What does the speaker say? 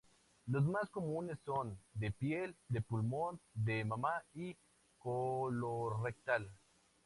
Los más comunes son: de piel, de pulmón, de mama y colorrectal.